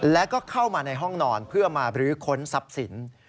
แล้วก็เข้ามาในห้องนอนเพื่อมาบรื้อค้นทรัพย์สิน